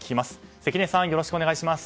関根さん、よろしくお願いします。